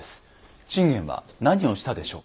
信玄は何をしたでしょうか？